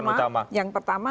yang pertama yang pertama